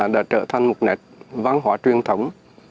đã trở thành một nền văn hóa truyền thống